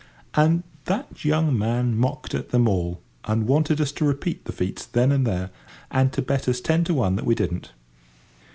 And that young man mocked at them all, and wanted us to repeat the feats then and there, and to bet us ten to one that we didn't.